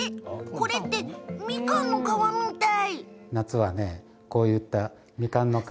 これってみかんの皮みたい！